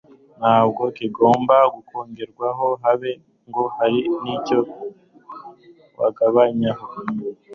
nta kigomba kongerwaho, habe ngo hari n'icyo wagabanyaho